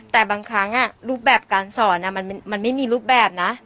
แต่บางครั้งรูปแบบการสอนมันไม่มีรูปแบบนะ